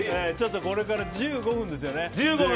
これから１５分ですね。